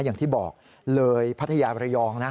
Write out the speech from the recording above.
อย่างที่บอกเลยพัทยาบระยองนะ